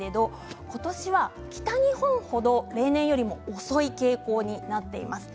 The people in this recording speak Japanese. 今年は北日本程、例年よりも遅い傾向になっています。